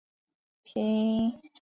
城市平均海拔为。